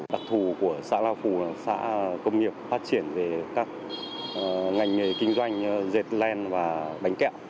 đặc thù của xã lao phù là xã công nghiệp phát triển về các ngành nghề kinh doanh dệt lan và bánh kẹo